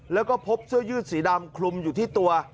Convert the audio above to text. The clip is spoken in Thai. แล้วก็พบเสื้อยืดสีดำคลุมอยู่ที่ตัว